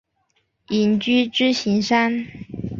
隐居支硎山。